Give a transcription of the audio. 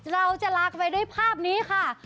เราจะลากันไปด้วยภาพนี้ค่ะ